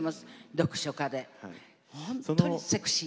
読書家で、本当にセクシー。